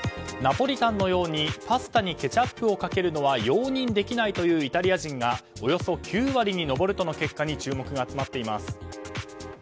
ナポリタンのようにパスタにケチャップをかけるのは容認できないというイタリア人がおよそ９割に上るとの結果に注目が集まっています。